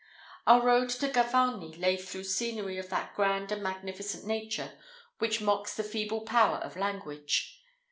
Our road to Gavarnie lay through scenery of that grand and magnificent nature, which mocks the feeble power of language.